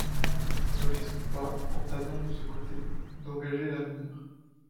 Nous ne risquons pas, en taillant de ce côté, d’engager l’avenir!